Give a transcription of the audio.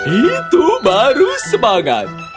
itu baru semangat